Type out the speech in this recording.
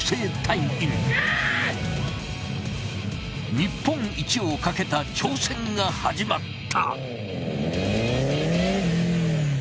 日本一を懸けた挑戦が始まった。